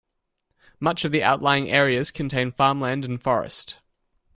Much of the outlying areas contain farmland and forest.